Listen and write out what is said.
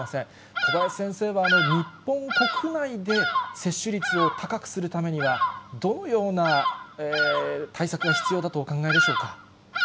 小林先生は日本国内で接種率を高くするためには、どのような対策が必要だとお考えでしょうか。